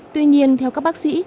tuy nhiên theo các bác sĩ